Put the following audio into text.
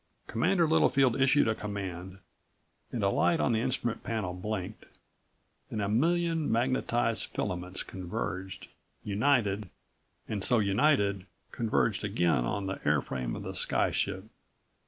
Commander Littlefield issued a command, and a light on the instrument panel blinked, and a million magnetized filaments converged, united and so united, converged again on the airframe of the sky ship.